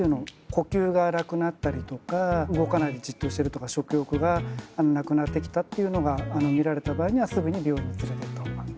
呼吸が荒くなったりとか動かないでじっとしてるとか食欲がなくなってきたっていうのが見られた場合にはすぐに病院に連れてった方がいいと思います。